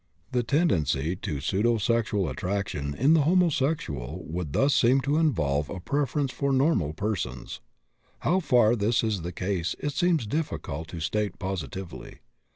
The tendency to pseudosexual attraction in the homosexual would thus seem to involve a preference for normal persons. How far this is the case it seems difficult to state positively.